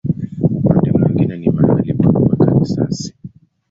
Upande mwingine ni mahali pa kuweka risasi.